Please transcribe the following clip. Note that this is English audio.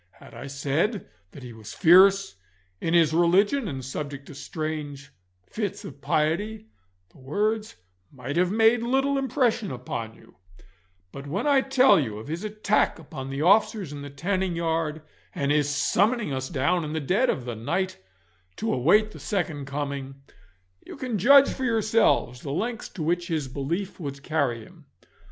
Had I said that he was fierce in ins religion and subject to strange fits of piety, the words might have made little impression upon you; but when I tell you of his attack upon the officers in the tanning yard, and his summoning us down in the dead of the night to await the second coming, you can judge for yourselves the lengths to which his belief would carry him.